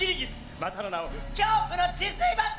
またの名を恐怖の血吸いバッタ！